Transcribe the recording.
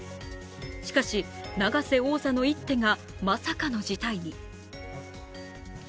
しかし、永瀬王座の一手がまさかの事態に。